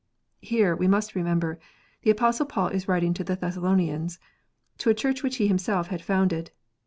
Here, we must remember, the Apostle Paul is writing to the Thessalonians, to a Church which he himself had founded.